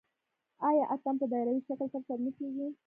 آیا اتن په دایروي شکل ترسره نه کیږي؟